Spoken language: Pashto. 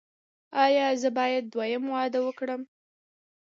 ایا زه باید دویم واده وکړم؟